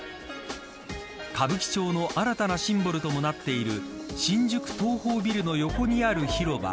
歌舞伎町の新たなシンボルともなっている新宿東宝ビルの横にある広場